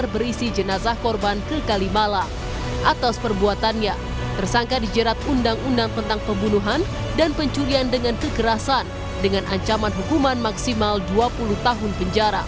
disitulah di lokasi tersebut di kalimalang